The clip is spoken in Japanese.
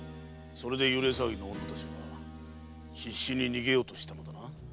それで幽霊騒ぎの女たちは必死に逃げようとしたのだな。